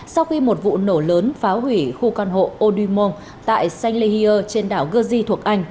sau khi một vụ nổ lớn phá hủy khu căn hộ audumont tại saint lehier trên đảo jersey thuộc anh